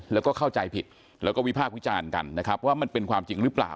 แล้วก็เข้าใจผิดแล้วก็วิพากษ์วิจารณ์กันนะครับว่ามันเป็นความจริงหรือเปล่า